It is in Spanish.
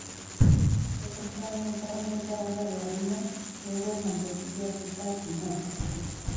Se compone principalmente a base de harina, huevos, mantequilla, azúcar y nata líquida.